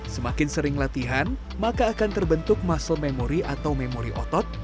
semakin sering latihan maka akan terbentuk muscle memori atau memori otot